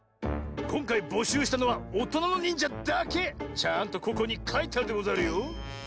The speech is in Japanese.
こんかいぼしゅうしたのはおとなのにんじゃだけ！ちゃんとここにかいてあるでござるよ。